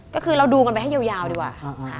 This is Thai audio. ก็คือเราดูกันไปให้ยาวดีกว่า